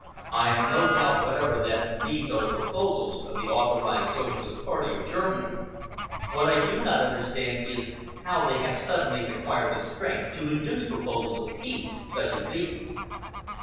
I have no doubt whatever that these are the proposals of the authorised Socialist Party of Germany. What I do not understand is how they have suddenly acquired the strength to induce proposals of peace such as these."